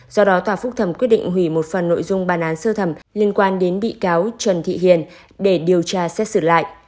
do đó tòa phúc thẩm quyết định hủy một phần nội dung bàn án sơ thẩm liên quan đến bị cáo trần thị hiền để điều tra xét xử lại